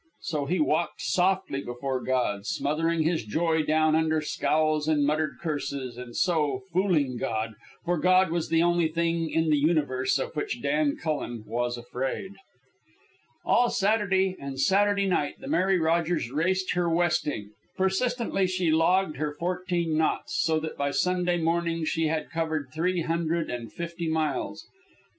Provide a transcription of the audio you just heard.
So he walked softly before God, smothering his joy down under scowls and muttered curses, and, so, fooling God, for God was the only thing in the universe of which Dan Cullen was afraid. All Saturday and Saturday night the Mary Rogers raced her westing. Persistently she logged her fourteen knots, so that by Sunday morning she had covered three hundred and fifty miles.